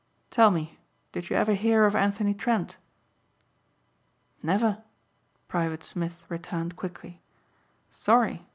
"Tell me, did you ever hear of Anthony Trent?" "Never," Private Smith returned quickly. "Sorry!